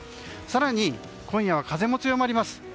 更に、今夜は風も強まります。